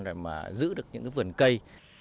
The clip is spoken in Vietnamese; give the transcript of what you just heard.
để mà giữ được những cái vườn cây